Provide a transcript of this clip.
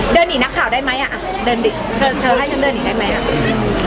เดินหนีนักข่าวได้ไหมอ่ะเดินดิเธอเธอให้ฉันเดินหนีได้ไหมอ่ะ